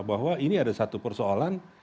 bahwa ini ada satu persoalan